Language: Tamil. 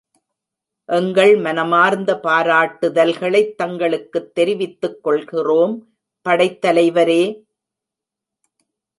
எங்கள் மனமார்ந்த பாராட்டுதல்களைத் தங்களுக்குத் தெரிவித்துக் கொள்கிறோம் படைத் தலைவரே!